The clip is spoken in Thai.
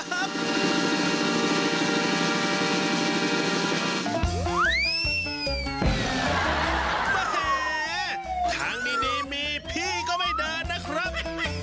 แหมทางดีมีพี่ก็ไม่เดินนะครับ